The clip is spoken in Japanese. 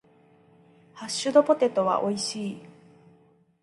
ハッシュドポテトは美味しい。